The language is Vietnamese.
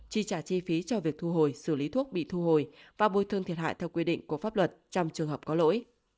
chi trả chi phí cho việc thu hồi xử lý thuốc bị thu hồi và bồi thương thiệt hại theo quy định của pháp luật trong trường hợp có lỗi